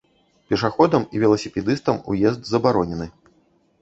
Пешаходам і веласіпедыстам уезд забаронены.